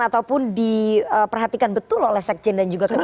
atau diperhatikan betul oleh sekjen dan ketua dpp anda